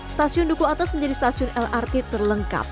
stasiun duku atas menjadi stasiun lrt terlengkap